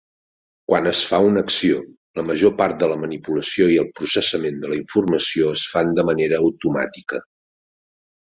Quan es fa una acció, la major part de la manipulació i el processament de la informació es fan de manera automàtica.